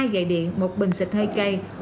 hai gậy điện một bình xịt hơi cay